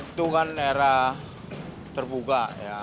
itu kan era terbuka ya